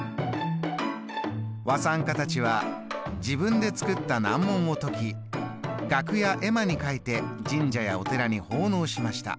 和算家たちは自分で作った難問を解き額や絵馬に書いて神社やお寺に奉納しました。